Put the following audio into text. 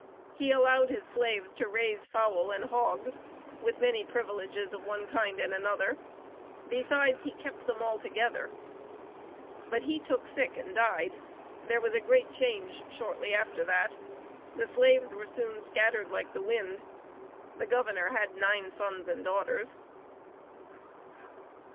He allowed his slaves to raise fowl and hogs, with many privileges of one kind and another; besides he kept them all together; but he took sick and died. There was a great change shortly after that. The slaves were soon scattered like the wind. The Governor had nine sons and daughters.